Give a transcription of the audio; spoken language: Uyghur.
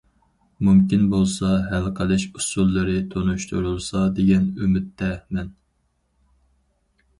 مۇمكىن بولسا ھەل قىلىش ئۇسۇللىرى تونۇشتۇرۇلسا دېگەن ئۈمىدتە مەن.